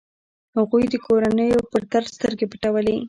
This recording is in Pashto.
هغوی د کورنيو پر درد سترګې پټولې.